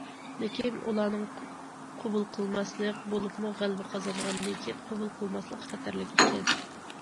لېكىن ئۇلارنىڭ قوبۇل قىلماسلىق، بولۇپمۇ غەلىبە قازانغاندىن كېيىن قوبۇل قىلماسلىق خەتەرلىك ئىكەن.